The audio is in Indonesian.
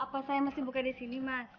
apa saya masih buka di sini mas